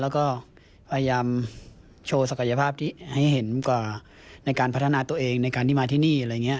แล้วก็พยายามโชว์ศักยภาพที่ให้เห็นกว่าในการพัฒนาตัวเองในการที่มาที่นี่อะไรอย่างนี้